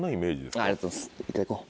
ありがとうございます頂こう。